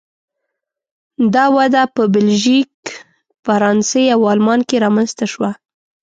دا وده په بلژیک، فرانسې او آلمان کې رامنځته شوه.